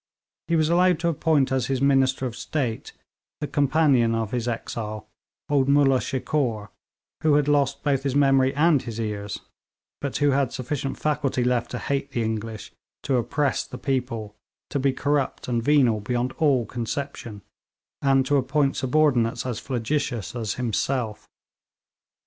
He was allowed to appoint as his minister of state, the companion of his exile, old Moolla Shikore, who had lost both his memory and his ears, but who had sufficient faculty left to hate the English, to oppress the people, to be corrupt and venal beyond all conception, and to appoint subordinates as flagitious as himself.